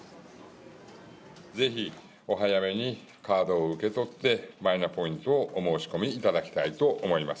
ぜひお早めにカードを受け取って、マイナポイントをお申し込みいただきたいと思います。